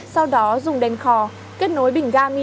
sau đó dùng đèn khò kết nối bình ga min